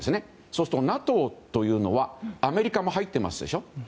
そうするとＮＡＴＯというのはアメリカも入ってますでしょ。